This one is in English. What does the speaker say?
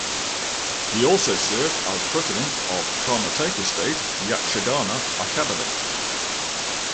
He also served as president of Karnataka state Yakshagana academy.